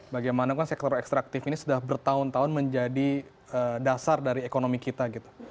bagaimana kan sektor ekstraktif ini sudah bertahun tahun menjadi dasar dari ekonomi kita gitu